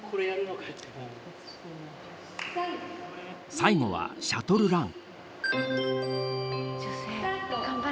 最後はシャトルラン。